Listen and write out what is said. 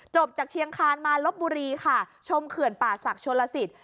จากเชียงคานมาลบบุรีค่ะชมเขื่อนป่าศักดิชนลสิต